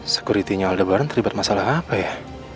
sekuritinya aldebaran terlibat masalah apa ya